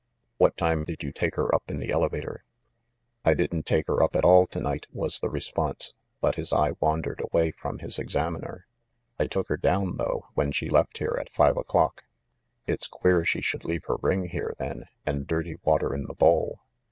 "What time did you take her up in the elevator ?" THE MIDDLEBURY MURDER 393 "I didn't take her up at all, to night!" was the re sponse ; but his eye wandered away from his examiner. "I took her down, though, when she left here, at five o'clock." "It's queer she should leave her ring here, then, and dirty water in the bowl."